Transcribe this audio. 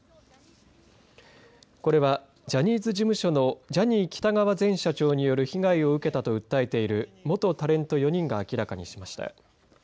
これはジャニーズ事務所のジャニー喜多川前社長による被害を受けたと訴えている元タレント４人が明らかにしました。